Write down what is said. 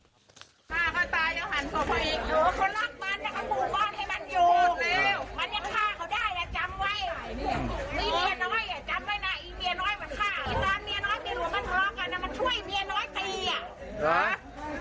ช่วยเมียน้อยตีเมียหลวงบ้านให้อยู่ด้วยอะไรให้อยู่ด้วย